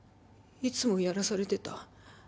いつもやらされてた。